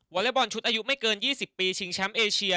อเล็กบอลชุดอายุไม่เกิน๒๐ปีชิงแชมป์เอเชีย